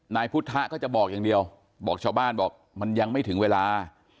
นายพุทธะก็จะบอกอย่างเดียวบอกชาวบ้านบอกมันยังไม่ถึงเวลา